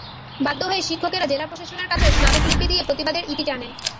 বাধ্য হয়ে শিক্ষকেরা জেলা প্রশাসনের কাছে স্মারকলিপি দিয়ে প্রতিবাদের ইতি টানেন।